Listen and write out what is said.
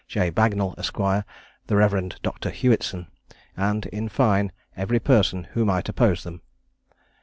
J. Bagnall, Esq., the Rev. Dr. Hewitson; and in fine, every person who might oppose them.